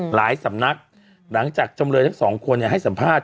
สำนักหลังจากจำเลยทั้งสองคนให้สัมภาษณ